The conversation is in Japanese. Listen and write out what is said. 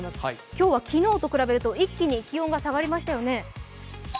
今日は昨日と比べると一気に気温が下がりましたよね。